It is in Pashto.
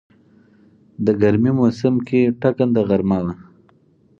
د ګرمی موسم کې ټکنده غرمه وه.